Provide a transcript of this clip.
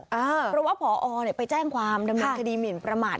เพราะว่าพอไปแจ้งความดำเนินคดีหมินประมาท